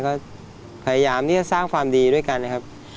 ก็พยายามที่จะสร้างความดีด้วยกันนะครับ